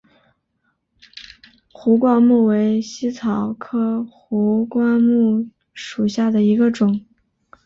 壶冠木为茜草科壶冠木属下的一个种。